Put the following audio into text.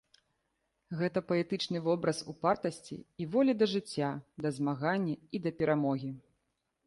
Гэта паэтычны вобраз упартасці і волі да жыцця, да змагання і да перамогі.